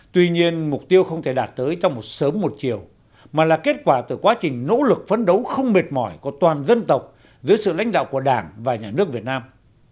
tuy nhiên mục tiêu không thể đạt tới trong một sớm một chiều mà là kết quả từ quá trình nỗ lực phấn đấu không mệt mỏi của toàn dân tộc dưới sự lãnh đạo của đảng và nhà nước việt nam